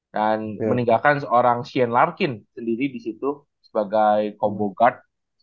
dan meninggalkan seorang shane larkin sendiri disitu sebagai combo guard